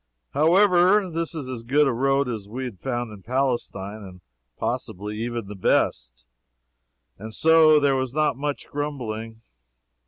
However, this was as good a road as we had found in Palestine, and possibly even the best, and so there was not much grumbling.